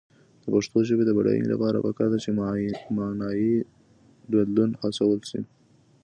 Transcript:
د پښتو ژبې د بډاینې لپاره پکار ده چې معنايي بدلون هڅول شي.